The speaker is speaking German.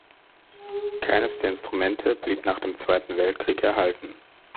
Keines der Instrumente blieb nach dem Zweiten Weltkrieg erhalten.